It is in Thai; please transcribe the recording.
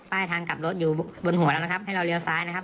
ทางกลับรถอยู่บนหัวแล้วนะครับให้เราเลี้ยวซ้ายนะครับ